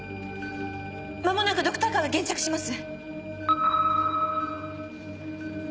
間もなくドクターカーが現着します！